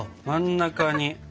真ん中に。